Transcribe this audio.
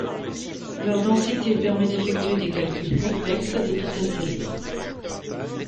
Leur densité permet d'effectuer des calculs complexes à des vitesses élevées.